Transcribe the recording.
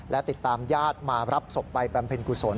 และติดตามญาติมารับศพไปบำเพ็ญกุศล